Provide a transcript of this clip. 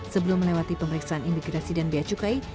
sebelum melewati pemeriksaan imigrasi dan biaya cukai